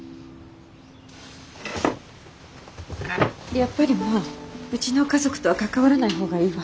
やっぱりもううちの家族とは関わらない方がいいわ。